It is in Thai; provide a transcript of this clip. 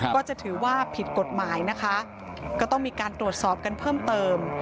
ก็จะถือว่าผิดกฎหมายนะคะก็ต้องมีการตรวจสอบกันเพิ่มเติม